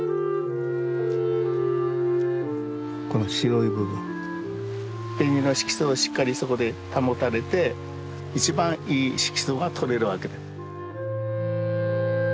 この白い部分紅の色素をしっかりそこで保たれて一番いい色素がとれるわけで。